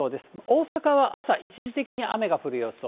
大阪は朝一時的に雨が降る予想。